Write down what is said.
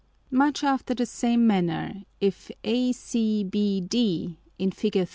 ] Much after the same manner, if ACBD [in Fig. 3.